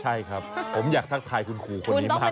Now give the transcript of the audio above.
ใช่ครับผมอยากทักทายคุณครูคนนี้มาก